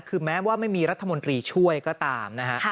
คือแม้ว่าไม่มีรัฐมนตรีช่วยก็ตามนะฮะ